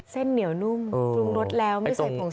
เส้นเหนียวนุ่มปรุงรสแล้วไม่ใส่ผง